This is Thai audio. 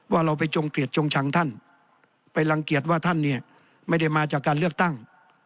เราไปจงเกลียดจงชังท่านไปรังเกียจว่าท่านเนี่ยไม่ได้มาจากการเลือกตั้ง